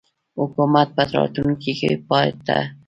حکومت په راتلونکي کې پاته شي.